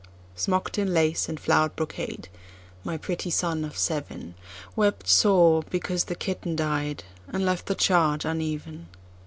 Smock'd in lace and flowered brocade, my pretty son of sevenWept sore because the kitten died, and left the charge uneven.